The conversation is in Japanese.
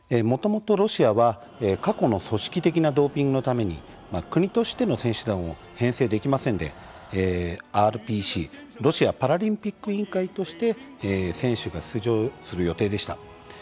もともとロシアは、過去の組織的なドーピングのために国としての選手団を編成できませんでＲＰＣ・ロシアパラリンピック委員会として選手が出場する予定でした。